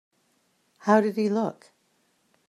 How did he look?